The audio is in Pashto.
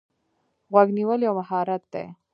غوږ نیول یو مهارت دی.